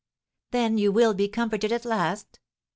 "Then you will be comforted at last?